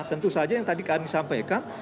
tentu saja yang tadi kami sampaikan